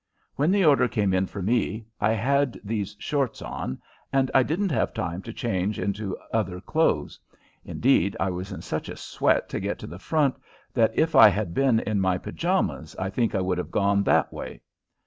When the order came in for me, I had these "shorts" on, and I didn't have time to change into other clothes. Indeed, I was in such a sweat to get to the front that if I had been in my pajamas I think I would have gone that way.